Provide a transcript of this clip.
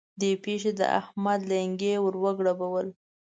دې پېښې د احمد لېنګي ور وګړبول.